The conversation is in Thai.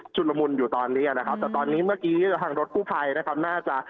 ละมุนอยู่ตอนนี้นะครับแต่ตอนนี้เมื่อกี้ทางรถกู้ภัยนะครับน่าจะ